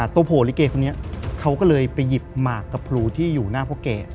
โผล่ลิเกคนนี้เขาก็เลยไปหยิบหมากกับพลูที่อยู่หน้าพ่อแก่